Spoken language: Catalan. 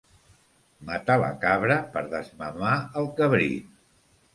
Matar la cabra per desmamar el cabrit.